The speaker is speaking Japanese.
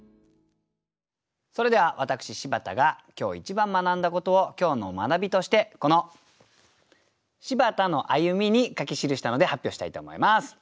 それでは私柴田が今日一番学んだことを今日の学びとしてこの「柴田の歩み」に書き記したので発表したいと思います。